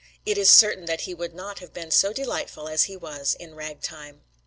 It is certain that he would not have been so delightful as he was in ragtime.